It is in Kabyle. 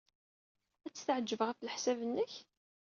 Ad t-teɛjeb, ɣef leḥsab-nnek?